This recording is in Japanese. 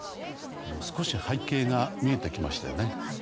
少し背景が見えてきましたよね。